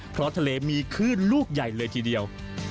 เพราะทะเลมีคลื่นลูกใหญ่เลยทีเดียว